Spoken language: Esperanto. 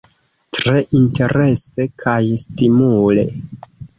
Tre interese kaj stimule.